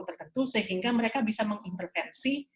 tertentu sehingga mereka bisa mengintervensi